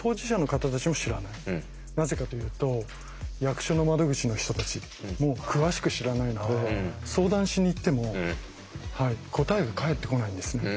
なぜかというと役所の窓口の人たちも詳しく知らないので相談しに行っても答えが返ってこないんですね。